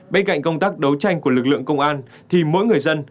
bên cạnh công tác đấu tranh của lực lượng công an